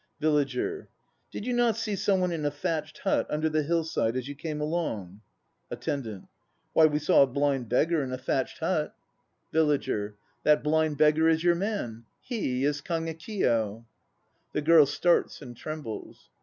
VILLAGER. Did you not see some one in a thatched hut under the hillside as you came along? ATTENDANT. Why, we saw a blind beggar in a thatched hut. KAGEKIYO 93 VILLAGER. That blind beggar is your man. He is Kagekiyo. (The GIRL starts and trembles.)